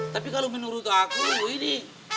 tapi kalau menurut aku ini